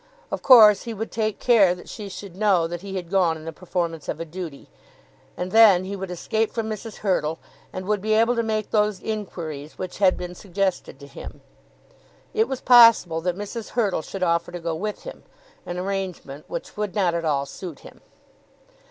Of course he would take care that she should know that he had gone in the performance of a duty. And then he would escape from Mrs. Hurtle, and would be able to make those inquiries which had been suggested to him. It was possible that Mrs. Hurtle should offer to go with him, an arrangement which would not at all suit him.